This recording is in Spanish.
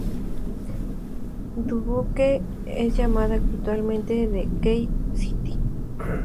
Dubuque es llamada habitualmente "The Key City".